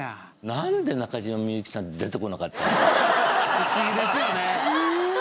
不思議ですよね。